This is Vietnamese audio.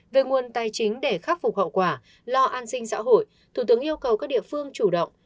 về nguồn tài chính để khắc phục hậu quả lo an sinh xã hội thủ tướng yêu cầu các địa phương chủ động